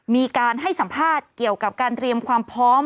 มีการให้สัมภาษณ์เกี่ยวกับการเตรียมความพร้อม